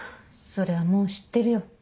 それはもう知ってるよ。